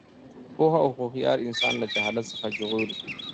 پوهه او هوښیاري انسان له جهالت څخه ژغوري.